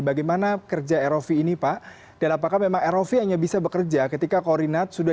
bagaimana kerja rov ini pak dan apakah memang rov hanya bisa bekerja ketika koordinat sudah